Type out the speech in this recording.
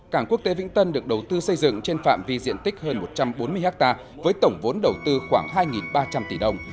cảng quốc tế vĩnh tân được đầu tư xây dựng trên phạm vi diện tích hơn một trăm bốn mươi ha với tổng vốn đầu tư khoảng hai ba trăm linh tỷ đồng